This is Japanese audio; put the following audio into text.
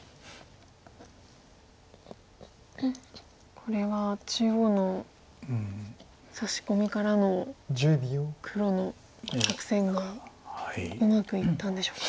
これは中央のサシコミからの黒の作戦がうまくいったんでしょうか。